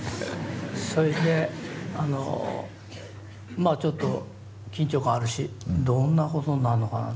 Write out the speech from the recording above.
それでまあちょっと緊張感あるしどんなことになるのかな。